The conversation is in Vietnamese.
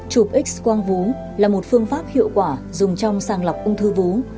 chụp x quang vú là một phương pháp hiệu quả dùng trong sàng lọc ung thư vú